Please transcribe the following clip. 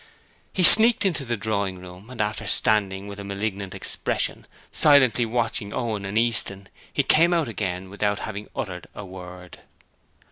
He sneaked into the drawing room and after standing with a malignant expression, silently watching Owen and Easton, he came out again without having uttered a word.